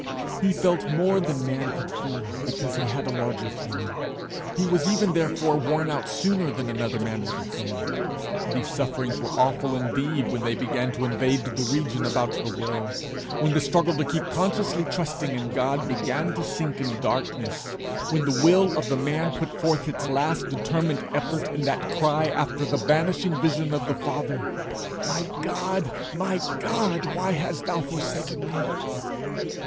He felt more than man could feel, because he had a larger feeling. He was even therefore worn out sooner than another man would have been. These sufferings were awful indeed when they began to invade the region about the will; when the struggle to keep consciously trusting in God began to sink in darkness; when the Will of The Man put forth its last determined effort in that cry after the vanishing vision of the Father: _My God, my God, why hast thou forsaken me?